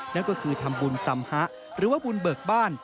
นั่นก็คือทำบุญสัมฮะหรือว่าบุญเบิกบ้าน